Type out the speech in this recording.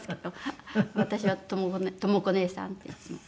私は「朋子ねえさん」っていつも。